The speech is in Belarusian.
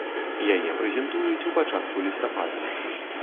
Яе прэзентуюць у пачатку лістапада.